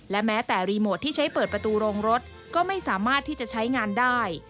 และแม้แต่รีโมทที่ใช้เปิดประตูโรงรถก็ไม่สามารถที่จะใช้งานได้